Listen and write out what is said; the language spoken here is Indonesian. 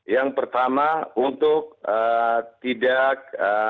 yang pertama untuk tidak